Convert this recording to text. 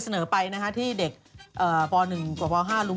ไม่เป็นอะไร